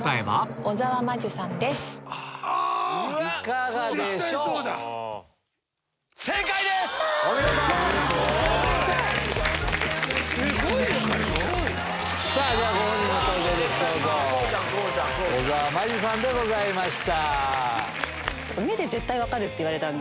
小沢真珠さんでございました。